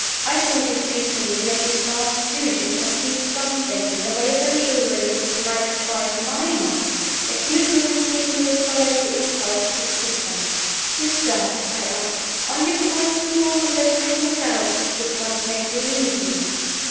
I thought it due to me that Eustace too should concede something, in the way of an assurance which might quiet my mind. As usual with me, the words followed the impulse to speak them. "Eustace," I asked, "are you quite cured of those cruel doubts which once made you leave me?"